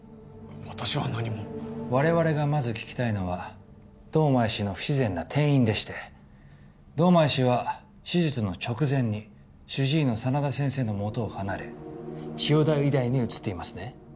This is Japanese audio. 私は何も我々がまず聞きたいのは堂前氏の不自然な転院でして堂前氏は手術の直前に主治医の真田先生のもとを離れ千代田医大に移っていますね？